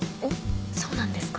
そうなんですか？